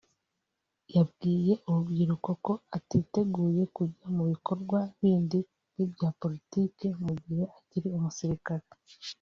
yabwiye urubyiruko ko atiteguye kujya mu bikorwa bindi nk’ibya politiki mu gihe akiri umusirikare